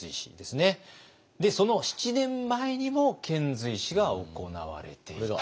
その７年前にも遣隋使が行われていた。